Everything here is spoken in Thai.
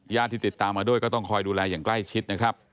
ที่ติดตามมาด้วยก็ต้องคอยดูแลอย่างใกล้ชิดนะครับ